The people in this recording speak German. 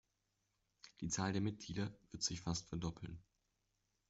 Die Zahl der Mitglieder wird sich fast verdoppeln.